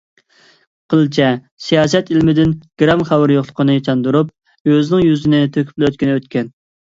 قىلچە سىياسەت ئىلمىدىن گىرام خەۋىرى يوقلۇقىنى چاندۇرۇپ ئۆزىنىڭ يۈزىنى تۆكۈپلا ئۆتكىنى ئۆتكەن.